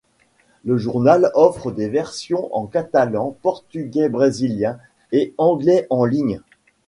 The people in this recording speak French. Le journal offre des versions en catalan, portugais brésilien et anglais en ligne.